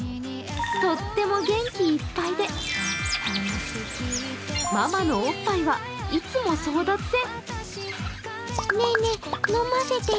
とっても元気いっぱいで、ママのおっぱいはいつも争奪戦。